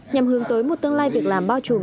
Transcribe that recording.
nhằm hướng tới một tương lai việc làm bao trùm